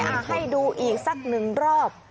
ให้ดูอีกสักหนึ่งรอบ